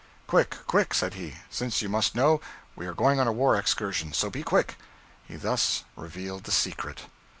'Quick, quick,' said he, 'since you must know, we are going on a war excursion; so be quick.' He thus revealed the secret.